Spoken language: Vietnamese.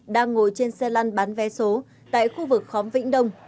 đang ngồi trên xe lăn bán vé số tại khu vực khóm vĩnh đông